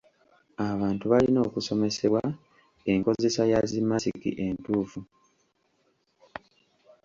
Abantu balina okusomesebwa enkozesa ya zi masiki entuufu.